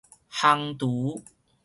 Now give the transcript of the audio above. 烘櫥